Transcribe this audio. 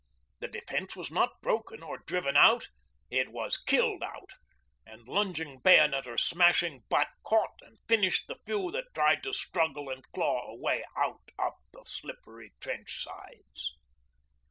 The defence was not broken or driven out it was killed out; and lunging bayonet or smashing butt caught and finished the few that tried to struggle and claw a way out up the slippery trench sides.